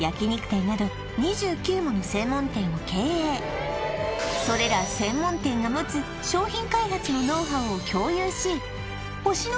さらにはそれら専門店が持つ商品開発のノウハウを共有し星乃